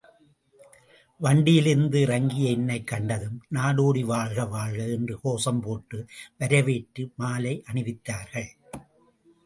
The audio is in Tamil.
வண்டியிலிருந்து இறங்கிய என்னைக் கண்டதும், நாடோடி வாழ்க வாழ்க என்று கோஷம் போட்டு வரவேற்று மாலை அணிவித்தார்கள்.